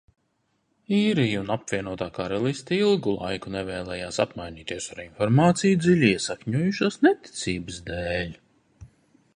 Īrija un Apvienotā Karaliste ilgu laiku nevēlējās apmainīties ar informāciju dziļi iesakņojušās neticības dēļ.